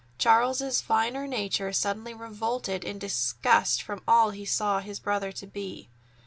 Charles's finer nature suddenly revolted in disgust from all that he saw his brother to be.